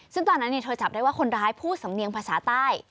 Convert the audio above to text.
ซึ่งตอนนั้นเธอจับได้ว่าคนร้ายพูดสำเนียงภาษาใต้